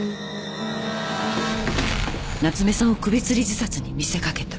夏目さんを首つり自殺に見せ掛けた。